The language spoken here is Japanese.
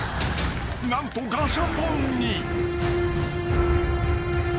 ［何とガシャポンに］